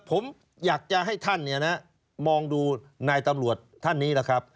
ผมอยากจะให้ท่านมองดูนายตำรวจท่านนี้แหละครับ